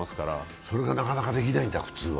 それはなかなかできないんだ、普通は？